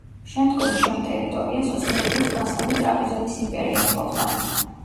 შემდომში ამ ტერიტორიას ოსმალეთის ვასალი ტრაპიზონის იმპერია ფლობდა.